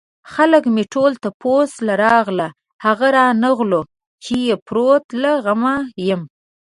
خلک مې ټول تپوس له راغله هغه رانغلو چې يې پروت له غمه يمه